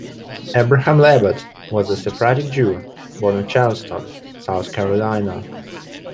Abraham Labatt was a Sephardic Jew born in Charleston, South Carolina.